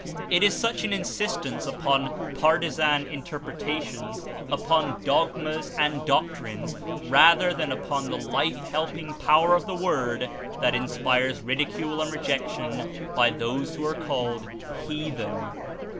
It is such Inslstance upon partisan Interpretations, upon dogmas and doctrines, rather than upon the life helping power of the Word, that Inspires ridicule and rejection by those who are called "heathen."